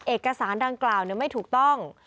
เอกสารดังกล่าวไม่ถูกต้อง